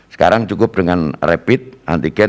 sekarang cukup dengan rapid antigen